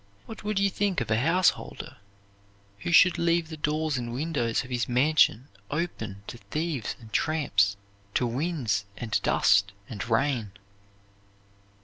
What would you think of a householder who should leave the doors and windows of his mansion open to thieves and tramps, to winds and dust and rain?